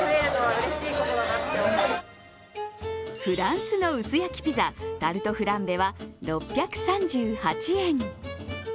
フランスの薄焼きピザタルトフランベは６３８円。